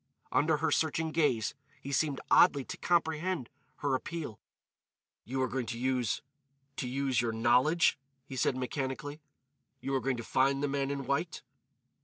Under her searching gaze he seemed oddly to comprehend her appeal. "You are going to use—to use your knowledge," he said mechanically. "You are going to find the man in white."